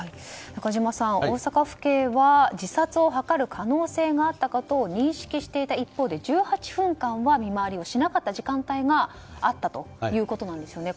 中島さん、大阪府警は自殺を図る可能性があったことを認識していた一方で１８分間は見回りをしなかった時間があったということですね。